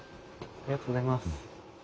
ありがとうございます。